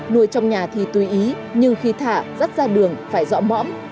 nuôi trong nhà thì tùy ý nhưng khi thả rắt ra đường phải dọa mõm